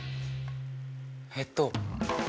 えっと。